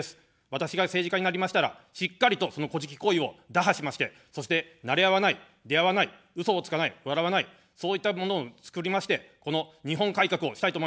私が政治家になりましたら、しっかりと、そのこじき行為を打破しまして、そして、なれ合わない、出会わない、うそをつかない、笑わない、そういったものを作りまして、この日本改革をしたいと思います。